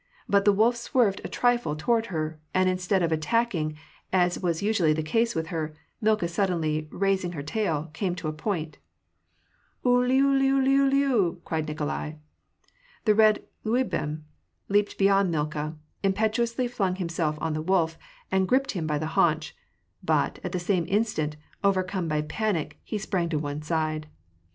But the wolf swerved a trifle toward her, and instead of attacking, as was usually the case with her, Milka, suddenly raising her tail, came to point. " Ulivliuliuliu I " cried Nikolai. The red Liubim leaped beyond Milka, impetuously flung him self on the wolf, and gripped him by the haunch ; but, at the same instant, overcome by panic, he sprang to one side.